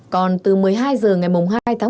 còn từ một mươi hai giờ ngày hai tháng một mươi một